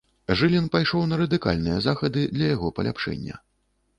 Жылін пайшоў на радыкальныя захады для яго паляпшэння.